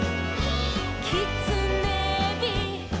「きつねび」「」